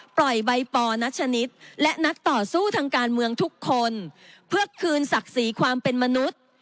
ปล่อยใบปอร์นักชนิดและนักต่อสู้ทางการเมืองทุกคน